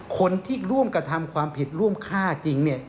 คนที่ร่วมกระทำความผิดร่วมฆ่าจริงเนี่ย